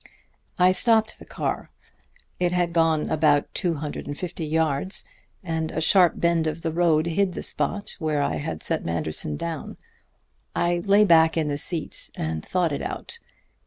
"I stopped the car. It had gone about two hundred and fifty yards, and a sharp bend of the road hid the spot where I had set Manderson down. I lay back in the seat and thought it out.